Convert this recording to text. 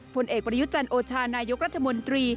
ผลเอกประยุจันโอชานายกรัฐมนตรี